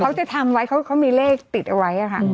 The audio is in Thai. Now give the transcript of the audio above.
เขาจะทำไว้เขามีเลขติดเอาไว้ค่ะ